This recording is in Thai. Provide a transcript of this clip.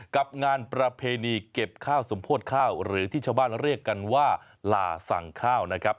กับงานประเพณีเก็บข้าวสมโพธิข้าวหรือที่ชาวบ้านเรียกกันว่าลาสั่งข้าวนะครับ